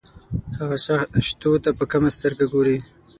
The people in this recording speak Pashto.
هغه شخص شتو ته په کمه سترګه ګوري.